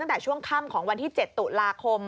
ตั้งแต่ช่วงค่ำของวันที่๗ตุลาคม